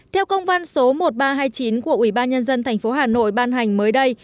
theo công văn số một nghìn ba trăm hai mươi chín của ủy ban nhân dân tp hà nội ban hành mới đây